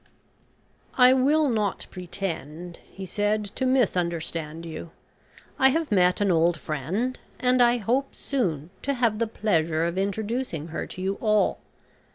"I will not pretend," he said, "to misunderstand you. I have met an old friend, and I hope soon to have the pleasure of introducing her to you all.